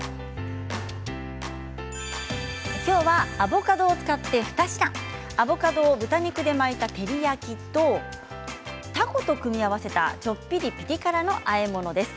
きょうはアボカドを使って２品アボカドを豚肉で巻いた照り焼きと、たこと組み合わせたちょっぴりピリ辛のあえ物です。